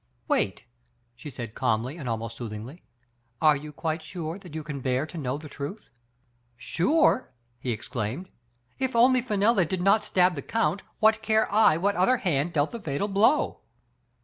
"Wait," she said calmly and almost soothingly, areyou quite sure iJiat you can bear to know the truth?" Digitized by Google F. ANSTEY, 309 "Sure?" he exclaimed, "if only Fenella did not stab the count, what care I what other hand dealt the fatal blow?